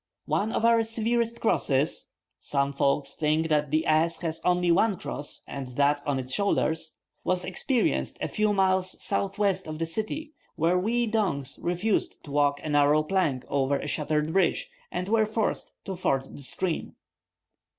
One of our severest crosses (some folks think the ass has only one cross, and that on its shoulders), was experienced a few miles southwest of the city, where we donks refused to walk a narrow plank over a shattered bridge, and were forced to ford the stream.